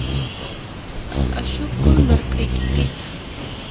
ashukuy markaykipita.